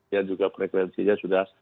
dan juga frekuensinya sudah